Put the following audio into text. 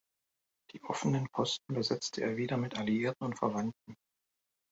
Die offenen Posten besetzte er wieder mit Alliierten und Verwandten.